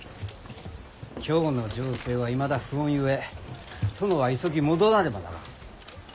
京の情勢はいまだ不穏ゆえ殿は急ぎ戻らねばならぬ。